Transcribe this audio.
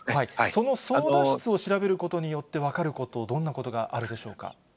その操舵室を調べることによって分かること、どんなことがあるでしょうか。